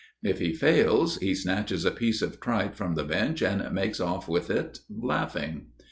If he fails, he snatches a piece of tripe from the bench and makes off with it laughing.